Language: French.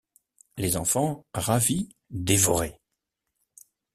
Les enfants, ravis, dévoraient.